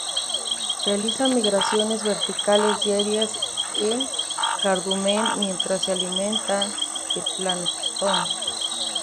Realiza migraciones verticales diarias en cardumen, mientras se alimenta de Plancton.